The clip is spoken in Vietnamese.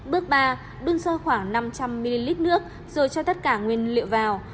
bước ba đun sôi khoảng năm trăm linh ml nước rồi cho tất cả nguyên liệu vào